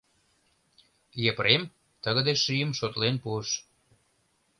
Епрем тыгыде шийым шотлен пуыш.